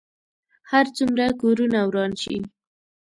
هر څومره کورونه وران شي.